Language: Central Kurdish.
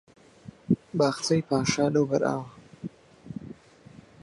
باخچەی پاشا لەوبەر ئاوە